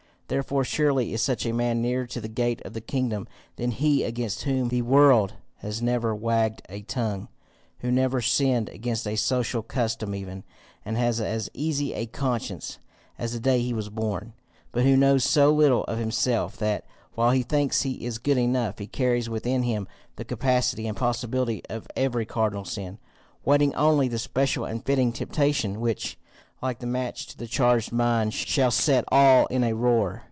Therefore surely is such a man nearer to the gate of the kingdom than he against whom the world has never wagged a tongue, who never sinned against a social custom even, and has as easy a conscience as the day he was born; but who knows so little of himself that, while he thinks he is good enough, he carries within him the capacity and possibility of every cardinal sin, waiting only the special and fitting temptation which, like the match to the charged mine, shall set all in a roar!